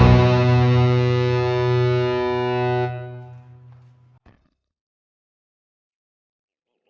kamu harus pergi dulu